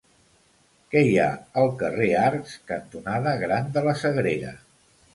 Què hi ha al carrer Arcs cantonada Gran de la Sagrera?